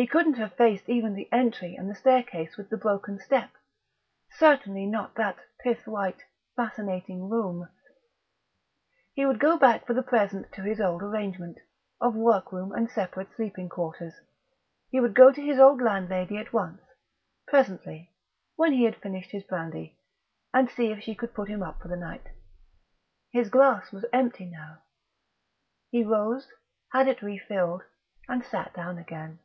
He couldn't have faced even the entry and the staircase with the broken step certainly not that pith white, fascinating room. He would go back for the present to his old arrangement, of workroom and separate sleeping quarters; he would go to his old landlady at once presently when he had finished his brandy and see if she could put him up for the night. His glass was empty now.... He rose, had it refilled, and sat down again.